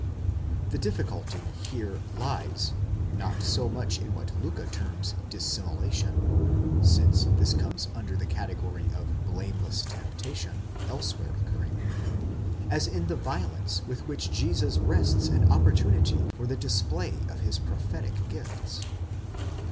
The difficulty here lies, not so much in what Liicke terms dissimula tion,—since this comes under the category of blameless temptation (πειράζειν), elsewhere occurring,—as in the violence with which Jesus wrests an oppor tunity for the display of his prophetic gifts.